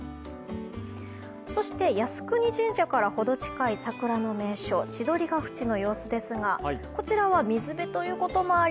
そして靖国神社からほど近い桜の名所、千鳥ケ淵の様子ですがこちらは水辺ということもあり